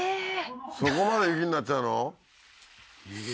そこまで雪になっちゃうの？